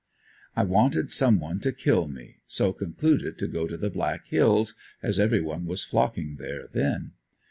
I wanted some one to kill me, so concluded to go to the Black hills as everyone was flocking there then.